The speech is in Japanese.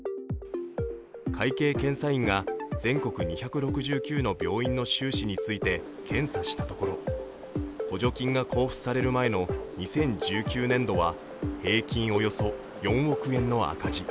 会計検査院が全国２６９の病院の収支について検査したところ、補助金が交付される前の２０１９年度は平均およそ４億円の赤字。